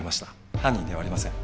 犯人ではありません。